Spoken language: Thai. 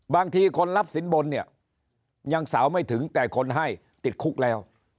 บางทีคนรับสินบนเนี่ยยังสาวไม่ถึงแต่คนให้ติดคุกแล้ว